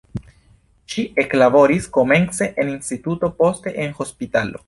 Ŝi eklaboris komence en instituto, poste en hospitalo.